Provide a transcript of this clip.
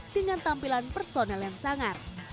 dengan tampilan personel yang sangar